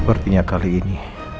sepertinya kali ini